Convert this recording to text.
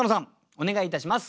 お願いいたします。